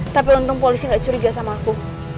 tapi untung polisi gak curiga sama aku